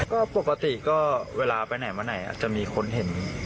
ก็ปกติก็เวลาไปไหนมาไหนจะมีคนเห็น